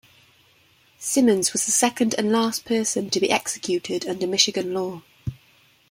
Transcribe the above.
Simmons was the second and last person to be executed under Michigan law.